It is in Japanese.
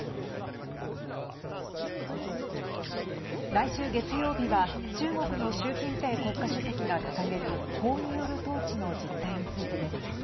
来週月曜日は中国の習近平国家主席が掲げる法による統治の実態についてです。